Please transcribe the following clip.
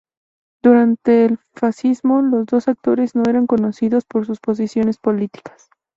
Durante el fascismo los dos actores no eran conocidos por sus posiciones políticas.